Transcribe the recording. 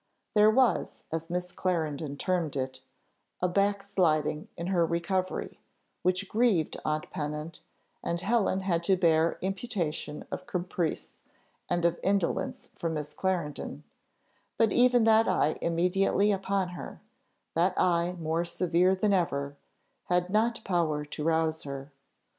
There was, as Miss Clarendon termed it, a "backsliding in her recovery," which grieved aunt Pennant, and Helen had to bear imputation of caprice, and of indolence from Miss Clarendon; but even that eye immediately upon her, that eye more severe than ever, had not power to rouse her.